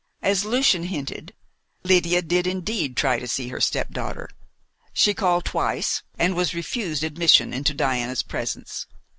As Lucian hinted, Lydia did indeed try to see her stepdaughter. She called twice, and was refused admission into Diana's presence.